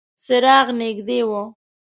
څراغ نږدې و.